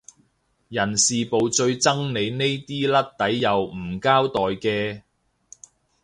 人事部最憎你呢啲甩底又唔交代嘅